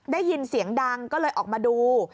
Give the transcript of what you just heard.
ได้ยินเสียงดังก็เลยออกมาดู